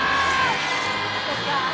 そっか。